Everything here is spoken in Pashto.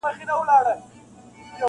ملنګه ! د رباب ژړي د کله ﺯړه را کنې -